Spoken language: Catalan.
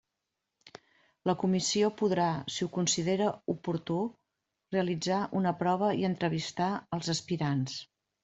La comissió podrà, si ho considera oportú, realitzar una prova i entrevistar els aspirants.